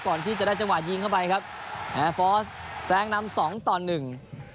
ก่อนที่จะได้จังหวะยิงเข้าไปครับอ่าฟอร์สแซงนำสองต่อหนึ่ง